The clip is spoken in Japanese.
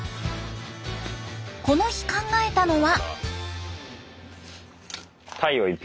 この日考えたのは。